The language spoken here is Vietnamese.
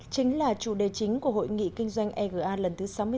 chính là chủ đề chính của hội nghị kinh doanh ega lần thứ sáu mươi sáu